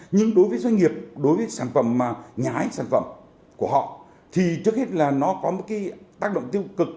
nhưng đối với doanh nghiệp đối với sản phẩm nhà hãi sản phẩm của họ thì trước hết là nó có tác động tiêu cực